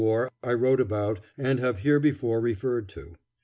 "] I wrote about and have here before referred to.